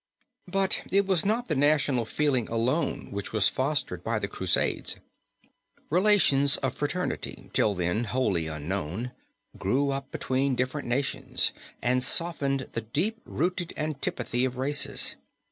"But it was not the national feeling alone which was fostered by the Crusades. Relations of fraternity, till then wholly unknown, grew up between different nations, and softened the deep rooted antipathy of races.